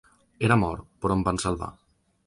Era mort, però em van salvar.